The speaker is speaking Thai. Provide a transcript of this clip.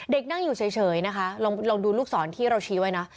นั่งอยู่เฉยนะคะลองดูลูกศรที่เราชี้ไว้นะ